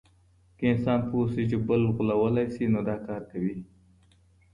که انسان پوه سي چي بل غولولای سي نو دا کار کوي.